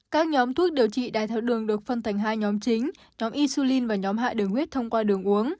các nhóm thuốc điều trị đài tháo đường được phân thành hai nhóm chính nhóm insulin và nhóm hạ đường huyết thông qua đường uống